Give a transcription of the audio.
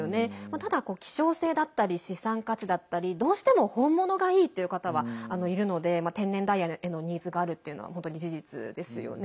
ただ、希少性だったり資産価値だったりどうしても本物がいいという方はいるので天然ダイヤへのニーズがあるっていうのは本当に事実ですよね。